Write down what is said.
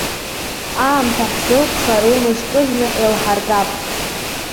Аамҭа ҳзылԥхар уи мышкызны еилҳаргап.